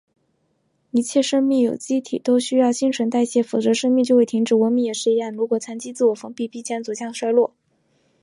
一切生命有机体都需要新陈代谢，否则生命就会停止。文明也是一样，如果长期自我封闭，必将走向衰落。